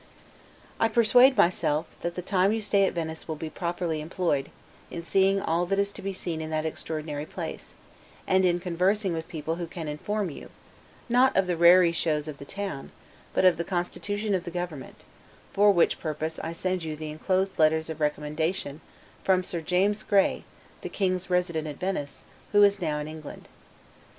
I persuade myself, that the time you stay at Venice will be properly employed, in seeing all that is to be seen in that extraordinary place: and in conversing with people who can inform you, not of the raree shows of the town, but of the constitution of the government; for which purpose I send you the inclosed letters of recommendation from Sir James Grey, the King's Resident at Venice, but who is now in England.